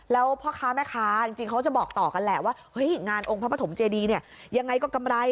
แล้วพ่อค้าแม่ค้าจริงเขาจะบอกต่อกันแหละว่าเฮ้ยงานองค์พระปฐมเจดีเนี่ยยังไงก็กำไร